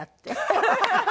ハハハハ。